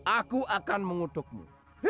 aku akan mengutukmu